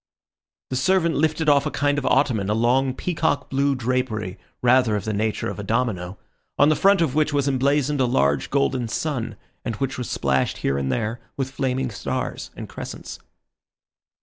The servant lifted off a kind of ottoman a long peacock blue drapery, rather of the nature of a domino, on the front of which was emblazoned a large golden sun, and which was splashed here and there with flaming stars and crescents.